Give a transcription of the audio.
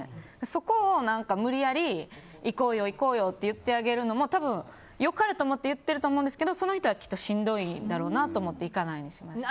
そこを無理やり行こうよって言ってあげるのも多分、良かれと思って言ってるんでしょうけどその人はきっとしんどいんだろうなと思って行かないにしました。